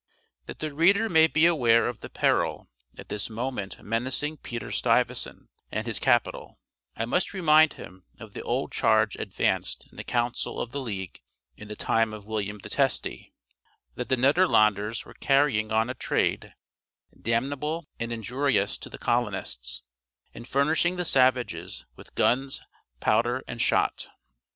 That the reader may be aware of the peril at this moment menacing Peter Stuyvesant and his capital, I must remind him of the old charge advanced in the council of the league in the time of William the Testy, that the Nederlanders were carrying on a trade "damnable and injurious to the colonists," in furnishing the savages with "guns, powther, and shott."